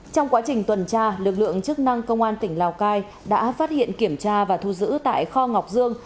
trong quá trình tuần tra lực lượng chức năng công an tỉnh lào cai đã phát hiện kiểm tra và thu giữ tại kho ngọc dương